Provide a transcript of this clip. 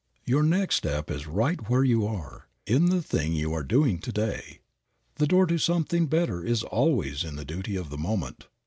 Your next step is right where you are, in the thing you are doing to day. The door to something better is always in the duty of the moment.